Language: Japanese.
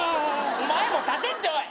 お前も立てっておい。